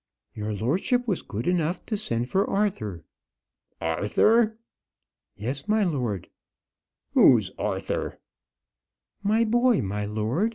"Your lordship was good enough to send for Arthur." "Arthur!" "Yes, my lord." "Who's Arthur?" "My boy, my lord.